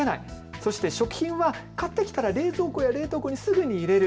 そして食品を買ってきたら冷蔵庫や冷凍庫にすぐに入れる。